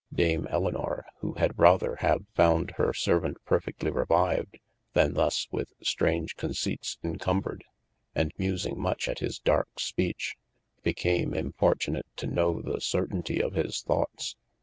Dame Elinor (who had rather have founde hir servaunt perfedlly revived, than thus with straunge conceypts encom bred: and musing much at his darke spech,) became importunat to know ye sertaynty of his thoughts.